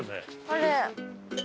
あれ。